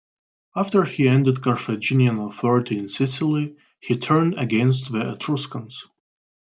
After he ended Carthaginian authority in Sicily, he turned against the Etruscans.